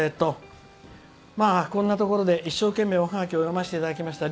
こんなところで一生懸命おハガキを読ませていただきました。